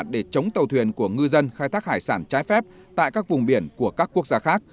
để chống tàu thuyền của ngư dân khai thác hải sản trái phép tại các vùng biển của các quốc gia khác